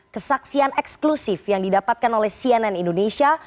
kesaksian eksklusif yang didapatkan oleh cnn indonesia